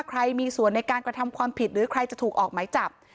ใครมีส่วนในการกระทำความผิดหรือใครจะถูกออกหมายจับ